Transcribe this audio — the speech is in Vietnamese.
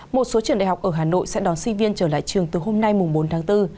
một số trường đại học ở hà nội sẽ đón sinh viên trở lại trường từ hôm nay bốn tháng bốn